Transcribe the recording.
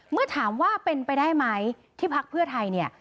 เมื่อถามว่าเป็นไปได้ไหมที่พักเพื่อไทยเนี่ย